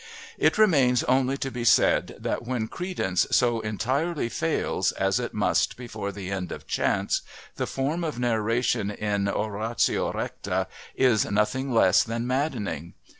It remains only to be said that when credence so entirely fails, as it must before the end of Chance, the form of narration in Oratio Recta is nothing less than maddening.